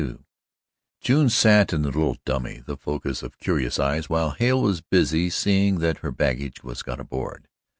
XXII June sat in the little dummy, the focus of curious eyes, while Hale was busy seeing that her baggage was got aboard.